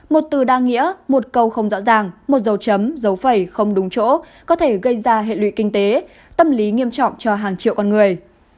một từ đa nghĩa một cầu không rõ ràng một dấu chấm dấu phẩy không đúng chỗ có thể gây ra hệ lụy kinh tế tâm lý nghiêm trọng cho hàng triệu con người